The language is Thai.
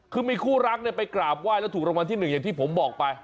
คือมีคู่รักไปกราบไหว้แล้วถูกรางวัลที่๑อย่างที่ผมบอกไป